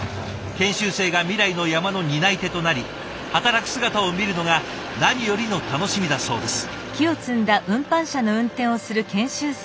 研修生が未来の山の担い手となり働く姿を見るのが何よりの楽しみだそうです。